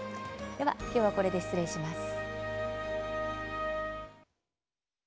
では、きょうはこれで失礼します。